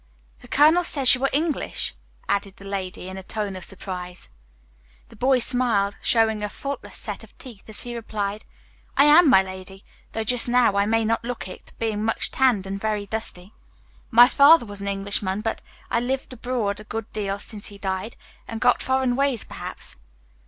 "The colonel says you are English," added the lady, in a tone of surprise. The boy smiled, showing a faultless set of teeth, as he replied, "I am, my lady, though just now I may not look it, being much tanned and very dusty. My father was an Englishman, but I've lived abroad a good deal since he died, and got foreign ways, perhaps."